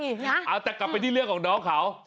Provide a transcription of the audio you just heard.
เอาแต่กลับไปที่เรื่องของน้องเขา